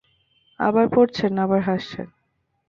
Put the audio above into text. আবার পড়ছেন, আবার হাসছেন।